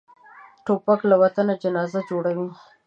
توپک له وطن جنازه جوړوي.